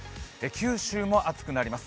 九州も暑くなります。